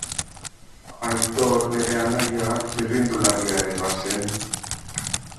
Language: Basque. Aitor bere anaia txirrindularia ere bazen.